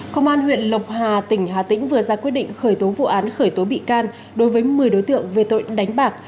công an huyện lộc hà tỉnh hà tĩnh vừa ra quyết định khởi tố vụ án khởi tố bị can đối với một mươi đối tượng về tội đánh bạc